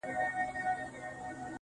ماشومانو ته به کومي کیسې یوسي٫